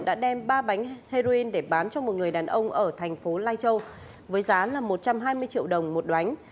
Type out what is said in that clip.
đã đem ba bánh heroin để bán cho một người đàn ông ở thành phố lai châu với giá là một trăm hai mươi triệu đồng một đoánh